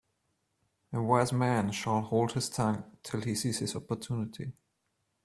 A wise man shall hold his tongue till he sees his opportunity.